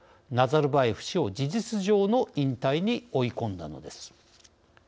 ナザルバーエフ氏を事実上の引退に追い込んだのです。